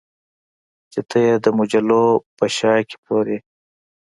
چې ته یې د مجلو په شا کې پلورې